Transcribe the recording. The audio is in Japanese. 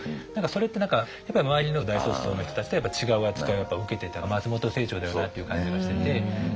それって何かやっぱり周りの大卒層の人たちと違う扱いを受けてた松本清張だよなっていう感じがしてて。